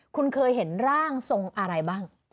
คุณเคยเห็นร่างทรงอะไรบ้าง